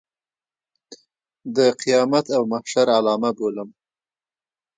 د قیامت او محشر علامه بولم.